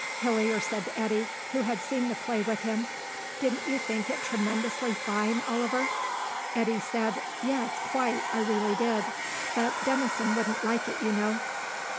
Hillier said to Eddy, who had seen the play with him, "Didn't you think it tremendously fine, Oliver?" Eddy said, "Yes, quite. I really did. But Denison wouldn't like it, you know."